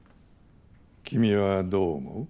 君はどう思う？